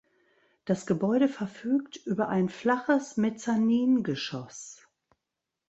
Das Gebäude verfügt über ein flaches Mezzaningeschoss.